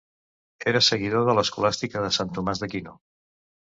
Era seguidor de l'escolàstica de Sant Tomàs d'Aquino.